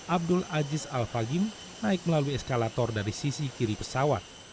abdul aziz al fagim naik melalui eskalator dari sisi kiri pesawat